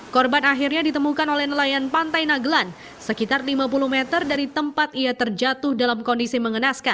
korban akhirnya ditemukan oleh nelayan pantai nagelan sekitar lima puluh meter dari tempat ia terjatuh dalam kondisi mengenaskan